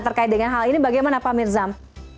terkait dengan hal ini bagaimana pak mirzam